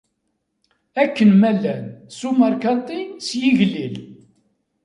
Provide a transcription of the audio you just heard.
Akken ma llan, s umerkanti, s yigellil!